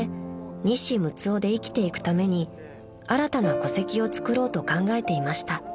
西六男で生きていくために新たな戸籍をつくろうと考えていました］